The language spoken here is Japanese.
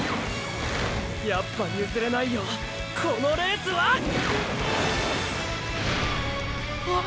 やっぱ譲れないよこのレースは！あっ！